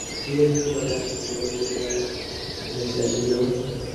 Kiel vi volas plibonigi la mesaĝilon?